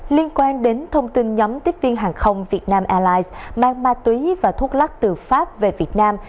liên quan đến thông tin nhóm tiếp viên hàng không việt nam airlines mang ma túy và thuốc lắc từ pháp về việt nam